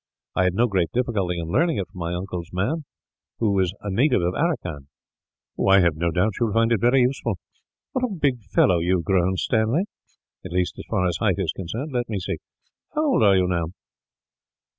I had no great difficulty in learning it from my uncle's man, who was a native of Aracan." "I have no doubt you will find it very useful. What a big fellow you have grown, Stanley; at least, as far as height is concerned. Let me see. How old are you, now?"